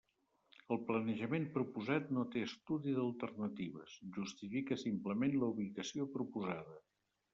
El planejament proposat no té estudi d'alternatives, justifica simplement la ubicació proposada.